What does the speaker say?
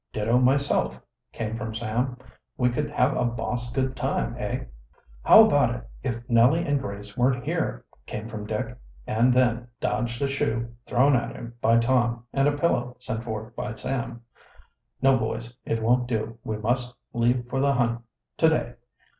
"Ditto myself," came from Sam. "We could have a boss good time, eh?" "How about it if Nellie and Grace weren't here?" came from Dick, and then dodged a shoe thrown at him by Tom and a pillow sent forth by Sam. "No, boys, it won't do we must leave for the hunt to day.